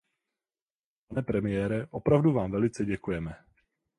Pane premiére, opravdu vám velice děkujeme.